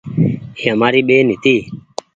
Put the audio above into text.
اي همآري ٻين هيتي ۔